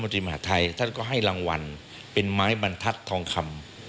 มหาทัยท่านก็ให้รางวัลเป็นไม้บรรทัศน์ทองคำ